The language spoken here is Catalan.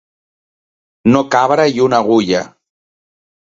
No cabre-hi una agulla.